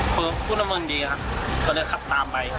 ปุ๊บผู้น้ำมึงดีอ่ะเค้าเลยขับตามไป